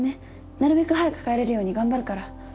なるべく早く帰れるように頑張るから。